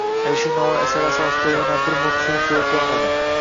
Alisher Navoiy asari asosida yana bir multfilm suratga olinadi